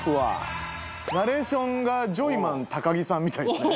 ナレーションがジョイマン高木さんみたいですね。